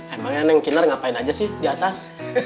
emang ya neng kinar ngapain aja sih di atas